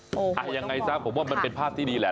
โอ้โหต้องมองค่ะยังไงส้ะผมว่ามันเป็นภาพที่ดีแหละ